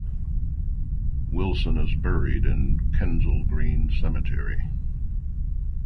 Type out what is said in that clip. Wilson is buried in Kensal Green Cemetery.